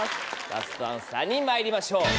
ラストアンサーにまいりましょう。